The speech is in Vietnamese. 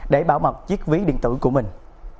để bảo mật chiếc ví điện tử của mình